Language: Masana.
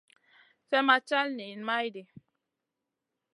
Slèh ma cal niyn maydi.